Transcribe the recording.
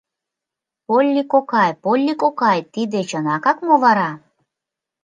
— Полли кокай, Полли кокай, тиде чынакак мо вара?